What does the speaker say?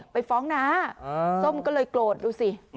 ไปฟ้องน้าส้มก็เลยโกรธดูสิ